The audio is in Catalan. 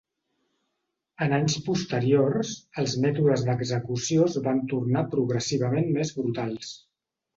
En anys posteriors, els mètodes d'execució es van tornar progressivament més brutals.